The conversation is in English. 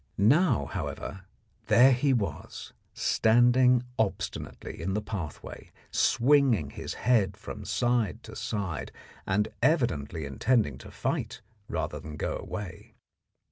Now, however, there he was, standing obstinately in the pathway, swinging his head from side to side, and evidently intending to fight rather than go away.